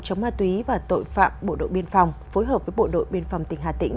chống ma túy và tội phạm bộ đội biên phòng phối hợp với bộ đội biên phòng tỉnh hà tĩnh